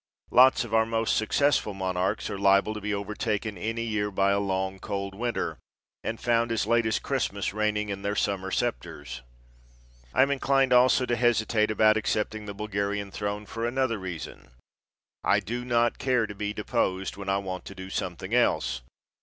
Lots of our most successful monarchs are liable to be overtaken any year by a long, cold winter and found as late as Christmas reigning in their summer scepters. I am inclined also to hesitate about accepting the Bulgarian throne for another reason I do not care to be deposed when I want to do something else.